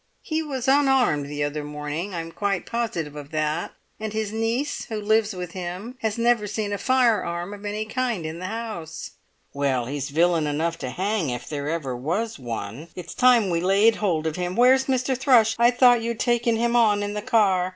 "He was unarmed the other morning. I'm quite positive of that. And his niece, who lives with him, has never seen a firearm of any kind in the house." "Well, he's villain enough to hang, if ever there was one! It's time we laid hold of him. Where's Mr. Thrush? I thought you'd taken him on in the car?"